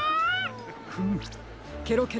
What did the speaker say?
フムケロケロ